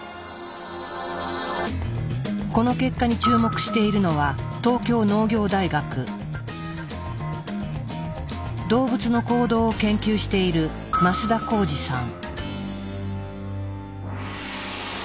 この結果に注目しているのは動物の行動を研究している増田宏司さん。